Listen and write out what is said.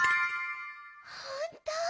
ほんとう